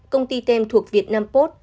công ty tem thuộc việt nam post